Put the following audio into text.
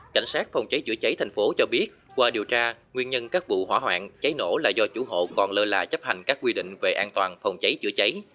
cảnh sát phòng cháy chữa cháy thành phố cho biết qua điều tra nguyên nhân các vụ hỏa hoạn cháy nổ là do chủ hộ còn lơ là chấp hành các quy định về an toàn phòng cháy chữa cháy